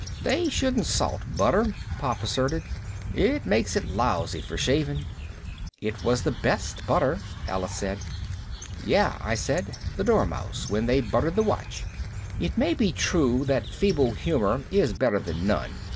"They shouldn't salt butter," Pop asserted. "It makes it lousy for shaving." "It was the best butter," Alice said. "Yeah," I said. "The Dormouse, when they buttered the watch." It may be true that feeble humor is better than none.